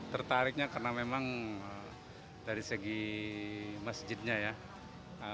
tertariknya karena memang dari segi masjidnya ya